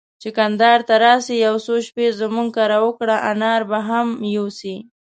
چي کندهار ته راسې، يو څو شپې زموږ کره وکړه، انار به هم يوسې.